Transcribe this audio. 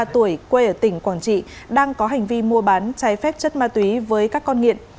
hai mươi ba tuổi quê ở tỉnh quảng trị đang có hành vi mua bán trái phép chất ma tùy với các con nghiện